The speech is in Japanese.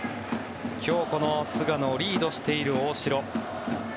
今日、菅野をリードしている大城。